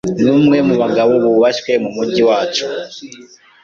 numwe mubagabo bubashywe mumujyi wacu.